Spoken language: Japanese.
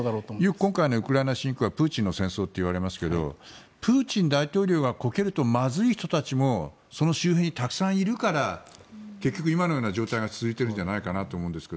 よく今回のウクライナ侵攻はプーチンの戦争って言われますがプーチン大統領がこけるとまずい人たちもその周辺にたくさんいるから結局今のような状態が続いているんじゃないかなと思うんですが。